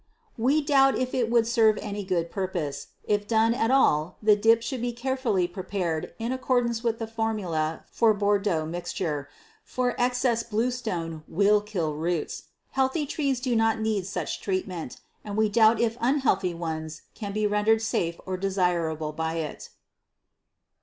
We doubt if it would serve any good purpose. If done at all the dip should be carefully prepared in accordance with the formula for bordeaux mixture, for excess of bluestone will kill roots. Healthy trees do not need such treatment, and we doubt if unhealthy ones can be rendered safe or desirable by it.